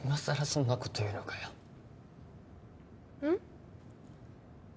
そんなこと言うのかようん？